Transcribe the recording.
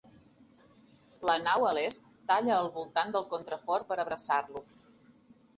La nau a l'est talla al voltant del contrafort per abraçar-lo.